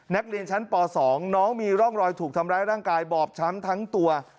นักเรียนชั้นป๒น้องมีร่องรอยถูกทำร้ายร่างกายบอบช้ำทั้งตัว